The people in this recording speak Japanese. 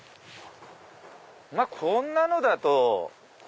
まぁこんなのだと。